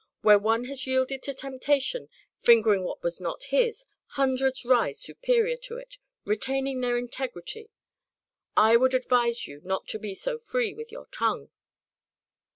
Where one has yielded to temptation, fingering what was not his own, hundreds rise superior to it, retaining their integrity. I would advise you not to be so free with your tongue."